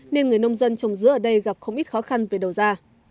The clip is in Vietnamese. nên người nông dân trồng dứa ở đây gặp không ít khó khăn về đầu ra